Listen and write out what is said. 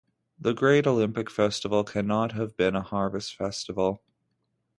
The great Olympic festival cannot have been a harvest festival.